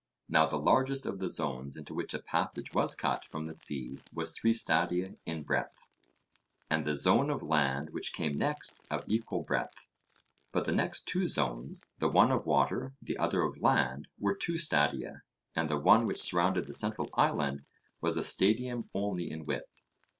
Now the largest of the zones into which a passage was cut from the sea was three stadia in breadth, and the zone of land which came next of equal breadth; but the next two zones, the one of water, the other of land, were two stadia, and the one which surrounded the central island was a stadium only in width.